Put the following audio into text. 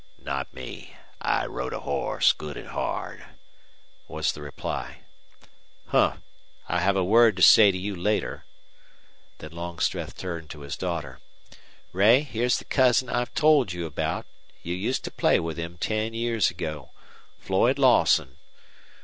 "Not me. I rode a horse, good and hard," was the reply. "Humph! I'll have a word to say to you later." Then Longstreth turned to his daughter. "Ray, here's the cousin I've told you about. You used to play with him ten years ago Floyd Lawson.